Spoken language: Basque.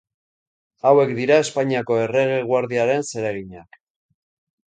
Hauek dira Espainiako Errege Guardiaren zereginak.